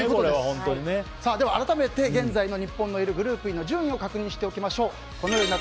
では改めて現在日本のいるグループの順位確認しましょう。